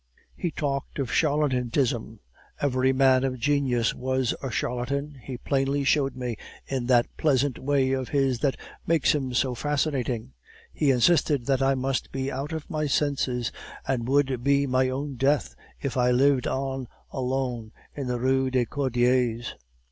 He talked of charlatanism. Every man of genius was a charlatan, he plainly showed me in that pleasant way of his that makes him so fascinating. He insisted that I must be out of my senses, and would be my own death, if I lived on alone in the Rue des Cordiers.